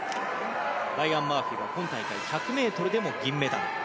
ライアン・マーフィー今大会１００ｍでも銀メダル。